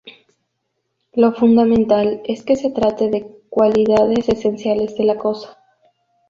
Lo fundamental es que se trate de cualidades esenciales de la cosa.